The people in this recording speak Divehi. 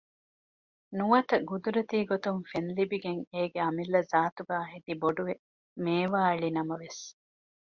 ނުވަތަ ގުދުރަތީގޮތުން ފެންލިބިގެން އޭގެ އަމިއްލަ ޒާތުގައި ހެދިބޮޑުވެ މޭވާއެޅިނަމަވެސް